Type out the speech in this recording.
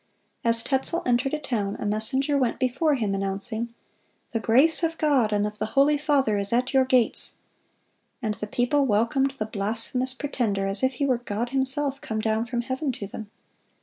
(169) As Tetzel entered a town, a messenger went before him, announcing, "The grace of God and of the holy father is at your gates."(170) And the people welcomed the blasphemous pretender as if he were God Himself come down from heaven to them.